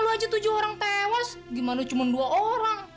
sepuluh aja tujuh orang tewas gimana cuma dua orang